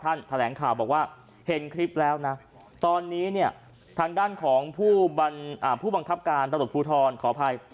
แถลงข่าวบอกว่าเห็นคลิปแล้วนะตอนนี้เนี่ยทางด้านของผู้บังคับการตำรวจภูทรขออภัย